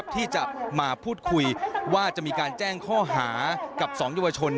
ที่จะมาพูดคุยว่าจะมีการแจ้งข้อหากับ๒เยาวชน